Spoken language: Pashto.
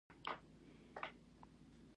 د زمینو په شرایطو پورې اړه لري.